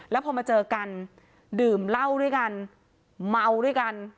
แล้วพอมาเจอกันดื่มเหล้าด้วยกันเมาด้วยกัน